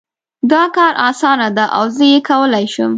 دا کار اسانه ده او زه یې کولای شم